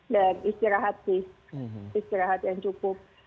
dan istirahat sih istirahat yang cukup